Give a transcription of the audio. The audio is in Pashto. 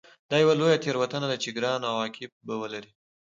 دا یوه لویه تېروتنه ده چې ګران عواقب به ولري